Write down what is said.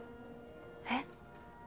えっ？